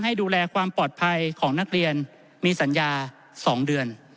ให้ดูแลความปลอดภัยของนักเรียนมีสัญญา๒เดือน